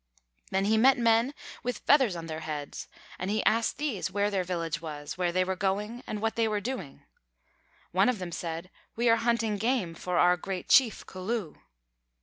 Then he met men with feathers on their heads, and he asked these where their village was, where they were going, and what they were doing. One of them said: "We are hunting game for our great chief, Culloo."